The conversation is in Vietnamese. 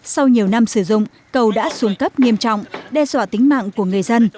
sau nhiều năm sử dụng cầu đã xuống cấp nghiêm trọng đe dọa tính mạng của người dân